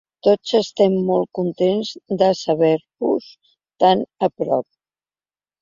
Tots estem molt contents de saber-vos tan a prop.